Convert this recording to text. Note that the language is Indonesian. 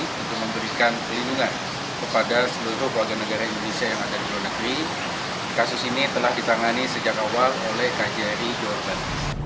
kasus ini telah ditangani sejak awal oleh kjri jodan